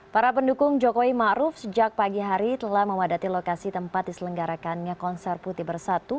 para pendukung jokowi ⁇ maruf ⁇ sejak pagi hari telah memadati lokasi tempat diselenggarakannya konser putih bersatu